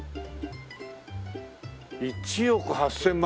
１億８０００万